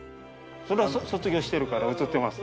そら卒業してるから写ってます。